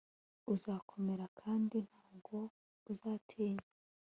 Uzakomera kandi ntabwo uzatinya